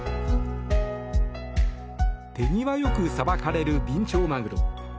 手際よくさばかれるビンチョウマグロ。